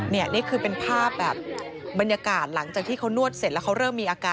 นี่คือเป็นภาพแบบบรรยากาศหลังจากที่เขานวดเสร็จแล้วเขาเริ่มมีอาการ